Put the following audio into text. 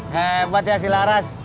hebat ya si laras